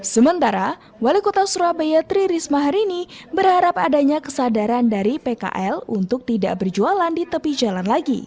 sementara wali kota surabaya tri risma hari ini berharap adanya kesadaran dari pkl untuk tidak berjualan di tepi jalan lagi